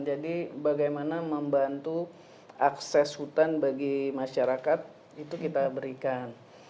jadi bagaimana membantu akses hutan bagi masyarakat itu kita berikan